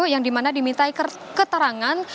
yang dimana dimintai keterangan